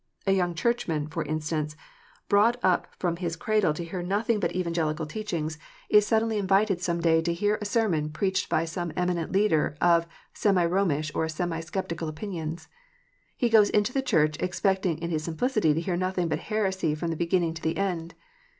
A young Churchman, for instance, brought up from his cradle to hear nothing but Evan 392 KNOTS UNTIED. gelical teaching, is suddenly invited some day to hear a sermon preached by some eminent teacher of semi Romish, or semi sceptical opinions. He goes into the church, expecting in his simplicity to hear nothing but heresy from the beginning to the end.